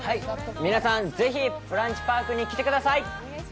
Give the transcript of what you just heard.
皆さん、ぜひブランチパークに来てください！